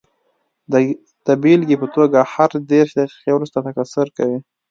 د بېلګې په توګه هر دېرش دقیقې وروسته تکثر کوي.